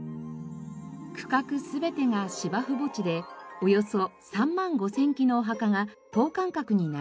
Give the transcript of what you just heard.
区画全てが芝生墓地でおよそ３万５０００基のお墓が等間隔に並んでいます。